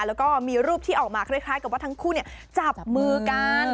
แล้วก็มีรูปที่ออกมาคล้ายกับว่าทั้งคู่จับมือกัน